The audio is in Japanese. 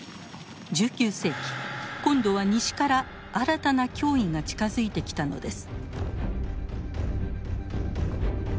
１９世紀今度は西から新たな脅威が近づいてきたのです。